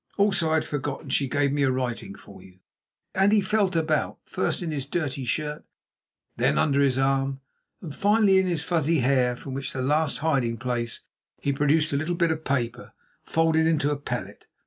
Also, I had forgotten, she gave me a writing for you," and he felt about, first in his dirty shirt, then under his arm, and finally in his fuzzy hair, from which last hiding place he produced a little bit of paper folded into a pellet.